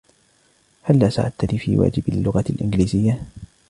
هلّا ساعدتني في واجب اللغة الإنجليزية ؟